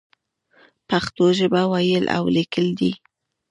پښتو ژبه ويل او ليکل دې.